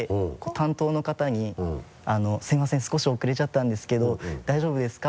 担当の方に「すいません少し遅れちゃったんですけど大丈夫ですか？」